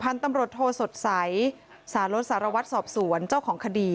ตำรวจโทสดใสสารสสารวัตรสอบสวนเจ้าของคดี